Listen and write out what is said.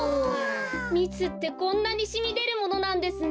みつってこんなにしみでるものなんですね。